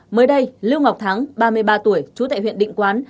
mới đây lưu ngọc thắng ba mươi ba tuổi trú tại huyện định quán